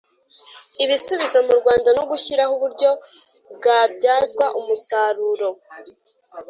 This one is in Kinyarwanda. Ibisubizo Mu Rwanda No Gushyiraho Uburyo Bwabyazwa Umusaruro